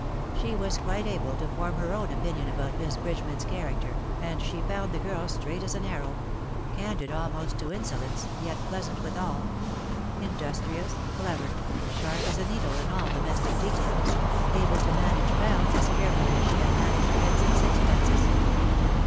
She was quite able to form her own opinion about Miss Bridgeman's character, and she found the girl straight as an arrow — candid almost to insolence, yet pleasant withal ; industrious, clever — sharp as a needle in all domestic details — able to manage pounds as carefully as she had managed pence and sixpences.